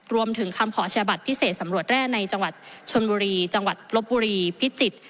รวมถึงคำขอชาบัตรพิเศษสำรวจแร่ในจังหวัดชนบุรีจังหวัดลบบุรีพิจิตร